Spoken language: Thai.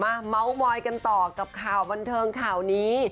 เมาส์มอยกันต่อกับข่าวบันเทิงข่าวนี้